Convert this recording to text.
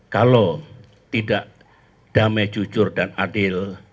kalau tidak damai jujur dan adil